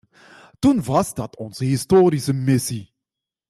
Toen was dat onze historische missie.